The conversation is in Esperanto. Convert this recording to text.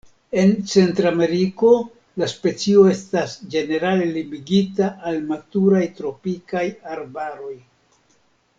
En Centrameriko, la specio estas ĝenerale limigita al maturaj tropikaj arbaroj.